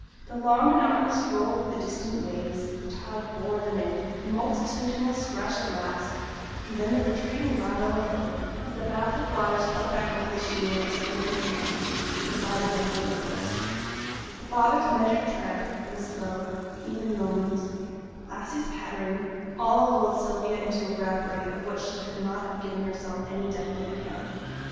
The long monotonous roll of the distant waves, as the tide bore them in, the multitudinous rush at last, and then the retreating rattle and trickle, as the baffled waters fell back over the shingle that skirted the sands, and divided them from the cliffs; her father's measured tread, and slow, even movement; Lassie's pattering all lulled Sylvia into a reverie, of which she could not have given herself any definite account.